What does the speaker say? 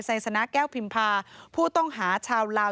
ไซสนะแก้วพิมพาผู้ต้องหาชาวลาว